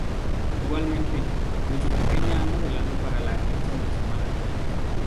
Igualmente, desde pequeña ha modelado para la agencia de su madre.